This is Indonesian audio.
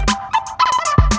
kau mau kemana